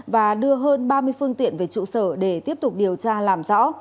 và đưa hơn ba mươi phương tiện về trụ sở để tiếp tục điều tra làm rõ